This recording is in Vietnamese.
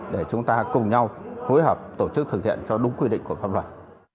để chúng ta cùng nhau phối hợp tổ chức thực hiện cho đúng quy định của pháp luật